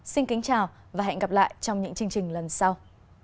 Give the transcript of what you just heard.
xin kính chào và hẹn gặp lại trong những chương trình lần sau